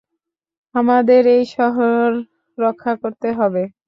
আমাদের এই শহরের রক্ষা করতে হবে।